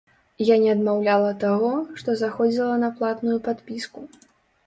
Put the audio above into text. Я не адмаўляла таго, што заходзіла на платную падпіску.